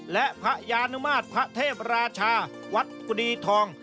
และพระยานุมาตรพระเทพราชาวัดกุดีทอง